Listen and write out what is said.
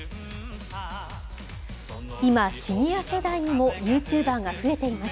今、シニア世代にもユーチューバーが増えています。